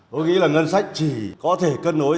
tôi nghĩ là ngân sách chỉ có thể kết nối